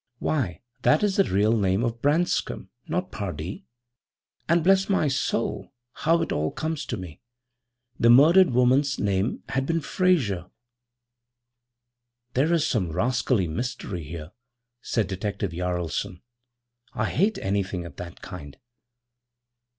'Why, that is the real name of Branscom not Pardee. And bless my soul! how it all comes to me the murdered woman's name had been Frayser!' 'There is some rascally mystery here,' said Detective Jaralson. 'I hate anything of that kind.'